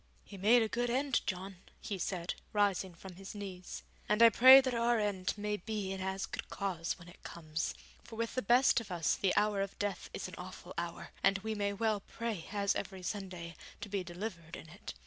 'He made a good end, John,' he said, rising from his knees, 'and I pray that our end may be in as good cause when it comes. For with the best of us the hour of death is an awful hour, and we may well pray, as every Sunday, to be delivered in it.